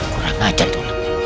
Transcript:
kurang aja itu